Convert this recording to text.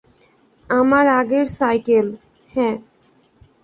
আমার আগের সাইকেল, হ্যাঁ।